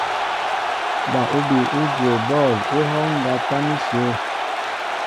Ba úbi ú juwo bɔ̂l ú hɔ́ɔ́ŋ ŋgá tâm íshyə̂.